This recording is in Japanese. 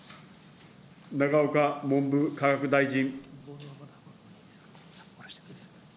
永岡文部科学大臣。